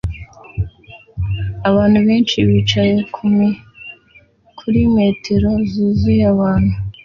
Abantu benshi bicaye kuri metero zuzuye abantu